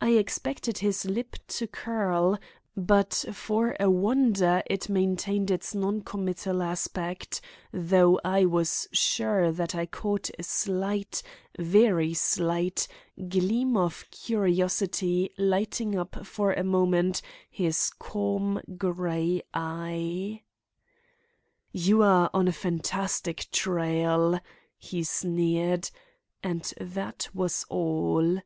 I expected his lip to curl; but for a wonder it maintained its noncommittal aspect, though I was sure that I caught a slight, very slight, gleam of curiosity lighting up for a moment his calm, gray eye. "You are on a fantastic trail," he sneered, and that was all.